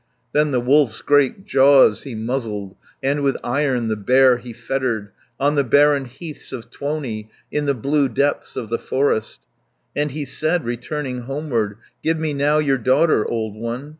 Then the Wolf's great jaws he muzzled, And with iron the Bear he fettered, On the barren heaths of Tuoni, In the blue depths of the forest. And he said, returning homeward: "Give me now your daughter, old one.